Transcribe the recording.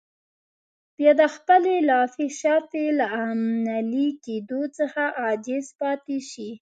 بيا د خپلې لاپې شاپې له عملي کېدو څخه عاجز پاتې شي.